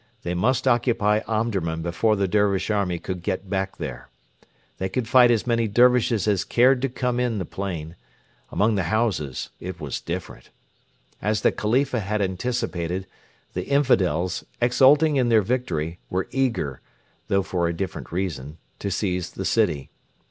They must occupy Omdurman before the Dervish army could get back there. They could fight as many Dervishes as cared to come in the plain; among the houses it was different. As the Khalifa had anticipated, the infidels, exulting in their victory, were eager, though for a different reason, to seize the city.